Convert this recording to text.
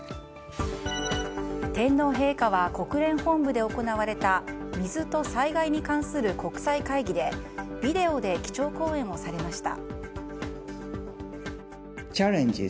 天皇陛下は、国連本部で行われた水と災害に関する国際会議でビデオで基調講演をされました。